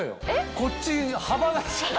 こっち幅が違う。